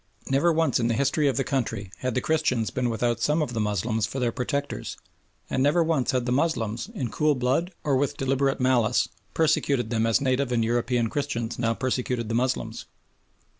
Never once in the history of the country had the Christians been without some of the Moslems for their protectors, and never once had the Moslems, in cool blood or with deliberate malice, persecuted them as native and European Christians now persecuted the Moslems.